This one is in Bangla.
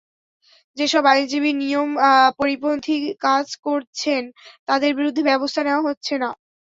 যেসব আইনজীবী নিয়ম পরিপন্থী কাজ করছেন, তাঁদের বিরুদ্ধে ব্যবস্থা নেওয়া হচ্ছে না।